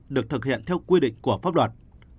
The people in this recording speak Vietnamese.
được thực hiện theo quy định của pháp luật